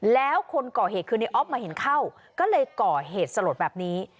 แล้วคนก่อเหตุคือในออฟมาเห็นเข้าก็เลยก่อเหตุสลดแบบนี้